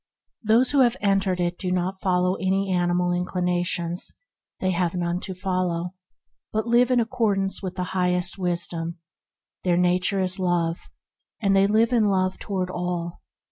Those who have AT REST IN THE KINGDOM 73 entered it do not follow any animal inclina tions, having none to follow, but live in accordance with the highest Wisdom. Their nature is Love, and they live in love toward all.